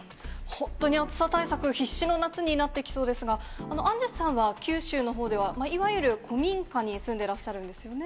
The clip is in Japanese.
本当に暑さ対策、必至の夏になってきそうですが、アンジュさんは、九州のほうではいわゆる古民家に住んでらっしゃるんですよね。